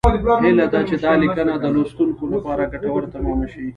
هیله ده چې دا لیکنه د لوستونکو لپاره ګټوره تمامه شي